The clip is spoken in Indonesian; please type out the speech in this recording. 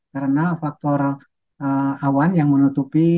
karena faktor awan yang menutupi